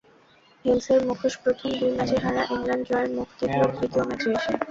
হেলসের মুখোশপ্রথম দুই ম্যাচে হারা ইংল্যান্ড জয়ের মুখ দেখল তৃতীয় ম্যাচে এসে।